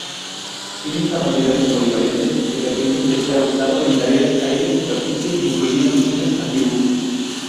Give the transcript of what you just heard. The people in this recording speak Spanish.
Tienen capacidades polivalentes que permiten que sea usado en tareas aire-superficie, incluyendo misiones antibuque.